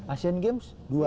asian games dua